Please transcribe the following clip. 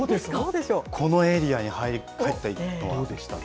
このエリアに入ったのは。